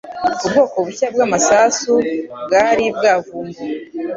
Ubwoko bushya bwamasasu bwari bwavumbuwe.